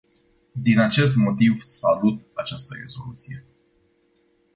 Din acest motiv, salut această rezoluție.